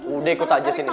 udah ikut aja sini